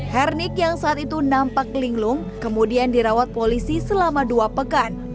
hernik yang saat itu nampak linglung kemudian dirawat polisi selama dua pekan